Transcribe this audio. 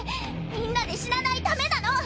みんなで死なないためなの！